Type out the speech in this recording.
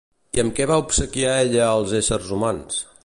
I amb què va obsequiar ella als éssers humans?